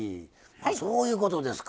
あそういうことですか。